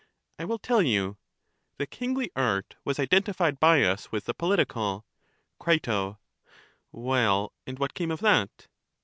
I will tell you; the kingly art was identified by us with the political. Cri, Well, and what came of that?